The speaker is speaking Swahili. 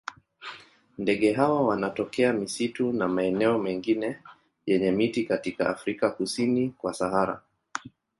Ndege hawa wanatokea misitu na maeneo mengine yenye miti katika Afrika kusini kwa Sahara.